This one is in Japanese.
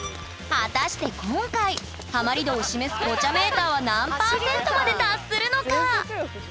果たして今回ハマり度を示すポチャメーターは何％まで達するのか？